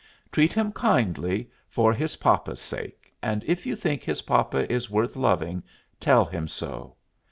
Treat him kindly for his papa's sake, and if you think his papa is worth loving tell him so.